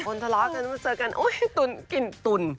ทะเลาะกันมาเจอกันโอ๊ยตุ๋นกลิ่นตุ่น